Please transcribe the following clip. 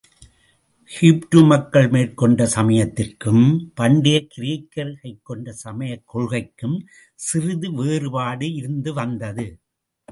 Hebrew மக்கள் மேற்கொண்ட சமயத்திற்கும், பண்டையக் கிரேக்கர் கைக்கொண்ட சமயக் கொள்கைக்கும், சிறிது வேறுபாடு இருந்து வந்தது.